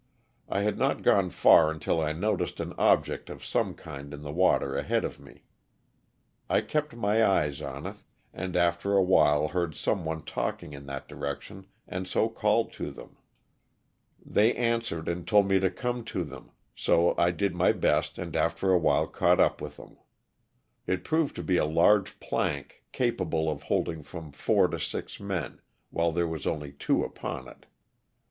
I had not gone far until I noticed an object of some kind in the water ahead of me. I kept my eyes on it, and after awhile heard some one talking in that direction and so called to them. They ITC I Ov<S OK THK Sl'lTVNA. answorod and told ino to ooino to tliom, so I diil my best and after awliilo oaught up with thoni. It provod to bo a largo plank capable of holding from four to six men, while there was only two upon it.